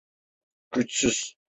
Güçsüz.